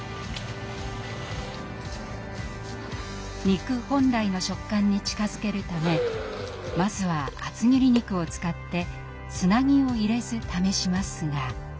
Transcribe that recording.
肉本来の食感に近づけるためまずは厚切り肉を使ってつなぎを入れず試しますが。